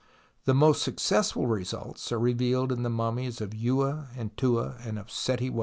The most success ful results are revealed in the mummies of Vuaa and Tuaa and of Seti I (Fig.